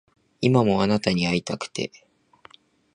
今もあなたに逢いたくて